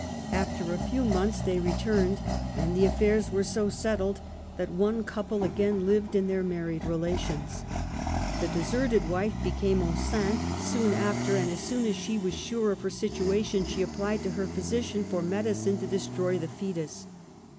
After a few months they returned and the aftairs were so settled that one couple again lived in their married relations. The deserted wife became enceinte soon after and as soon as she was sure of her situa tion she applied to her physician for medicine to de stroy the foetus.